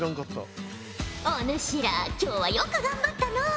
お主ら今日はよく頑張ったのう。